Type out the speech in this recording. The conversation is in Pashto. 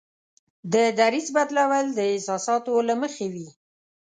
د دریځ بدلول د احساساتو له مخې وي.